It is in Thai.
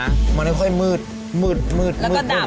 มันก็ค่อยมืดมืดมืดมืดมืดมืดมืดมืด